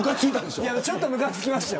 ちょっと、むかつきましたよ。